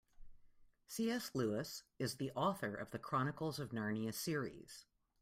C.S. Lewis is the author of The Chronicles of Narnia series.